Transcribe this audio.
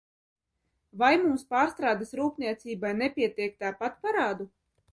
Vai mums pārstrādes rūpniecībai nepietiek tāpat parādu?